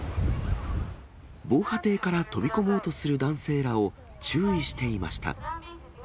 防波堤から飛び込もうとする男性らを注意していました。